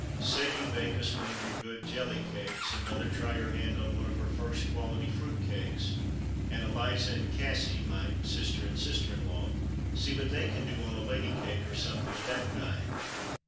Say you bake us one of your good jelly cakes, and mother try her hand on one of her first quality fruit cakes, and Eliza and Cassie [my sister and sister in law] see what they can do on a lady cake or something of that kind.